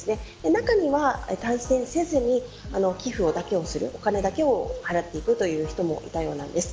中には対戦せずに寄付だけをするお金だけを払っていく人もいたようなんです。